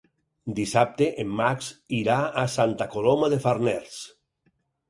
Dissabte en Max irà a Santa Coloma de Farners.